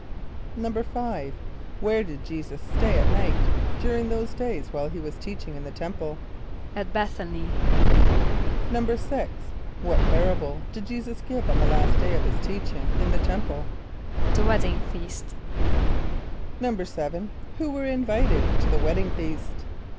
= =5.= Where did J[=e]´[s+]us stay at night, during those days while he was teaching in the temple? =At B[)e]th´a n[)y].= =6.= What parable did J[=e]´[s+]us give on the last day of his teaching in the temple? ="The Wedding Feast."= =7.= Who were invited to the wedding feast?